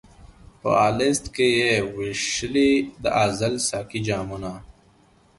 په الست کي یې وېشلي د ازل ساقي جامونه